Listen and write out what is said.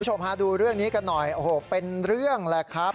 คุณผู้ชมฮะดูเรื่องนี้กันหน่อยโอ้โหเป็นเรื่องแหละครับ